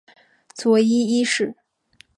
佐伊一世。